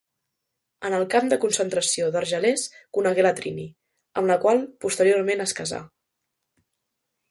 En el camp de concentració d’Argelers conegué la Trini, amb la qual posteriorment es casà.